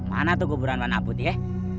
mana tuh kuburan wanaput ya